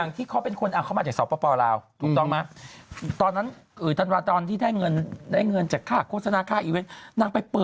อย่างที่เขาเป็นคนเอาเข้ามาจากทรปภ